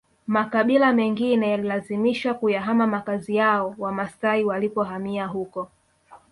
Makabila mengine yalilazimishwa kuyahama makazi yao Wamasai walipohamia huko